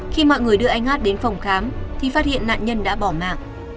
khi mọi người đưa anh hát đến phòng khám thì phát hiện nạn nhân đã bỏ mạng